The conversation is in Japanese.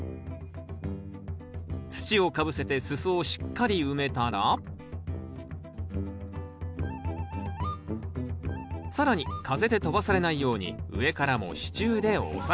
土をかぶせてすそをしっかり埋めたら更に風で飛ばされないように上からも支柱で押さえます